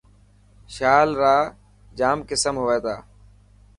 شال را ڄام قصر هئي تا